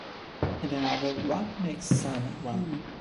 In the novel What Makes Sammy Run?